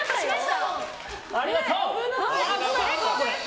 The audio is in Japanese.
ありがとう！